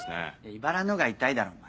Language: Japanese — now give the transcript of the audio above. いばらのが痛いだろお前。